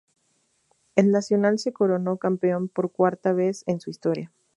El Nacional se coronó campeón por cuarta vez en su historia.